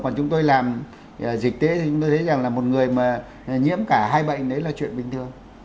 còn chúng tôi làm dịch tế thì chúng tôi thấy rằng là một người mà nhiễm cả hai bệnh đấy là chuyện bình thường